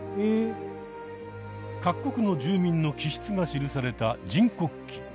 各国の住民の気質が記された「人国記」。